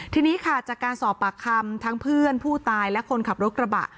ทีนี้ค่ะจากการสอบปากคำทั้งเพื่อนผู้ตายและคนขับรถกระบะ